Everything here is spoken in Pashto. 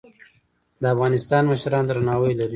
د افغانستان مشران درناوی لري